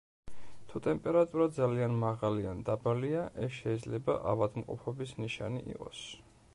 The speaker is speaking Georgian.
თუ ტემპერატურა ძალიან მაღალი ან დაბალია, ეს შეიძლება ავადმყოფობის ნიშანი იყოს.